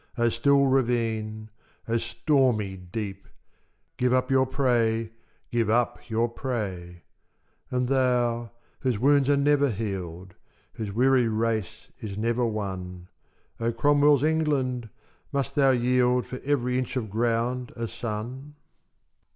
O still ravine! O stormy deep! Give up your prey! Give up your prey! And thou whose wounds are never healed, Whose weary race is never won, O Cromwell's England! must thou yield For every inch of ground a son?